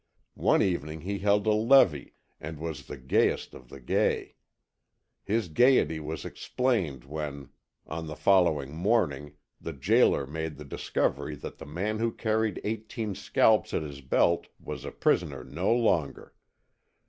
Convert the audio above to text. One evening he held a "levee" and was the gayest of the gay. His gayety was explained when, on the following morning, the jailer made the discovery that the man who carried eighteen scalps at his belt, was a prisoner no longer.